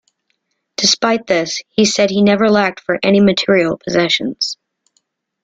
Despite this, he said he never lacked for any material possessions.